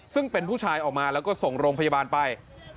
ซึ่งเป็นผู้ชายออกมาแล้วก็ส่งโรงพยาบาลไป